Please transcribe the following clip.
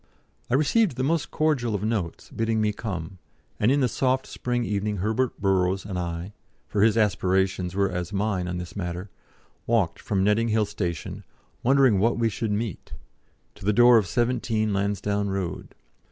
I received the most cordial of notes, bidding me come, and in the soft spring evening Herbert Burrows and I for his aspirations were as mine on this matter walked from Netting Hill Station, wondering what we should meet, to the door of 17, Lansdowne Road.